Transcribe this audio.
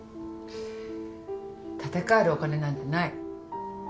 建て替えるお金なんてない。